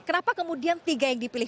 kenapa kemudian tiga yang dipilih